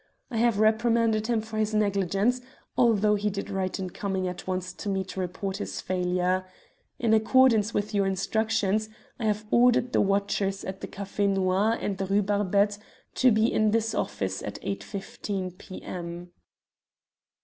I have reprimanded him for his negligence, although he did right in coming at once to me to report his failure. In accordance with your instructions, I have ordered the watchers at the Café Noir and in the Rue Barbette to be in this office at 8.15 p.m."